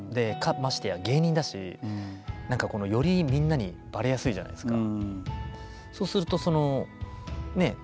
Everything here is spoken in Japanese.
ましてや芸人だし何かよりみんなにばれやすいじゃないですか。